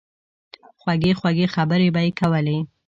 خوږې خوږې خبرې به ئې کولې